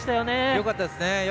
よかったですね。